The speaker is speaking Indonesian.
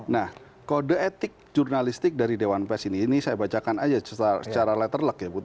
nah kode etik jurnalistik dari dewan pes ini ini saya bacakan aja secara letter luck ya putri